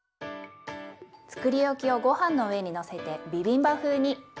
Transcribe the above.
つくりおきをごはんの上にのせてビビンバ風に。